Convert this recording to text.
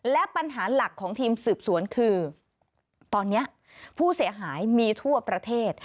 และปัญหาหลักของทีมสืบสวนคือตอนนี้ผู้เสียหายมีทั่วประเทศ